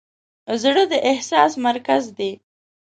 زړه د احساس مرکز دی.